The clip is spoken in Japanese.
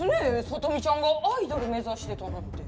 さとみちゃんがアイドル目指してたなんて。